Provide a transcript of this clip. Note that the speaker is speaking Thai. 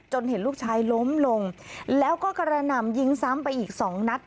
เห็นลูกชายล้มลงแล้วก็กระหน่ำยิงซ้ำไปอีกสองนัด